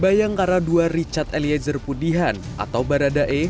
bayangkara ii richard eliezer pudihan atau baradae